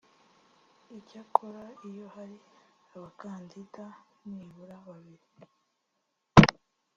icyakora iyo hari abakandida nibura babiri